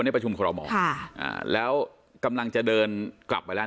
ประชุมคอรมอลแล้วกำลังจะเดินกลับไปแล้ว